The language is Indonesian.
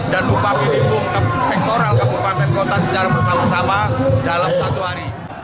dan upah minimum sektoral kabupaten kota secara bersama sama dalam satu hari